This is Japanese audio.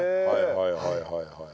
はいはいはいはい。